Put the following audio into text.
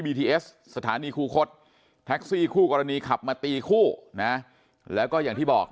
เอสสถานีคูคศแท็กซี่คู่กรณีขับมาตีคู่นะแล้วก็อย่างที่บอก